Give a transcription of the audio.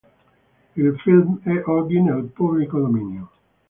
Il film è oggi nel pubblico dominio.